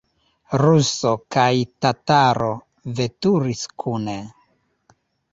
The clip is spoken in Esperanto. Ruso kaj tataro veturis kune.